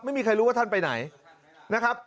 ไม่มีใครรู้ว่าท่านไปไหนนะครับ